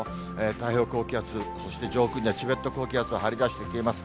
太平洋高気圧、そして上空にはチベット高気圧が張り出してきます。